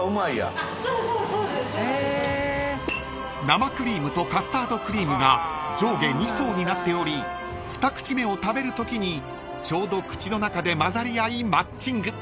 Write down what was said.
［生クリームとカスタードクリームが上下２層になっており２口目を食べるときにちょうど口の中で混ざり合いマッチング］